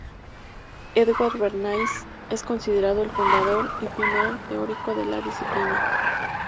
Edward Bernays es considerado el fundador y primer teórico de la disciplina.